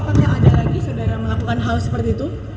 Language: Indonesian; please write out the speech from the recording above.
apakah ada lagi saudara melakukan hal seperti itu